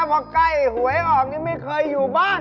พอใกล้หวยออกนี่ไม่เคยอยู่บ้าน